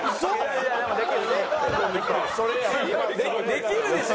できるでしょ。